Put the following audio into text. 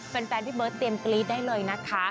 แฟนพี่เบิร์ตเตรียมกรี๊ดได้เลยนะคะ